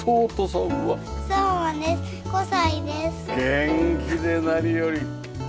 元気で何より。